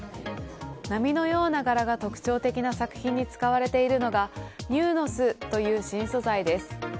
波のような柄が特徴的な作品に使われているのがＮＵＮＯＵＳという新素材です。